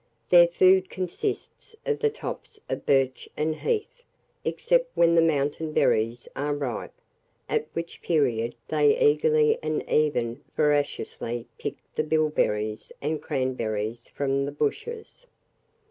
Their food consists of the tops of birch and heath, except when the mountain berries are ripe, at which period they eagerly and even voraciously pick the bilberries and cranberries from the bushes.